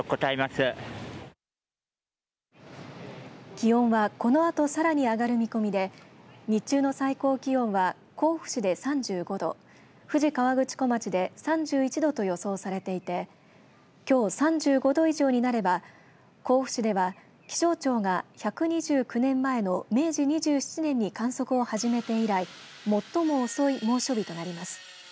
気温はこのあとさらに上がる見込みで日中の最高気温は甲府市で３５度富士河口湖町で３１度と予想されていてきょう３５度以上になれば甲府市では、気象庁が１２９年前の明治２７年に観測を始めて以来最も遅い猛暑日となります。